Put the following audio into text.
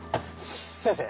先生！